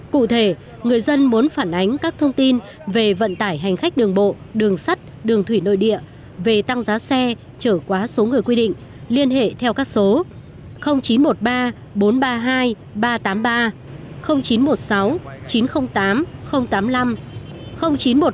cụ thể người dân muốn phản ánh các thông tin về vận tải hành khách đường bộ đường sắt đường thủy nội địa về tăng giá xe trở quá số người quy định liên hệ theo các số